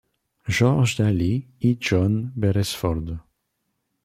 George Daly y John Beresford.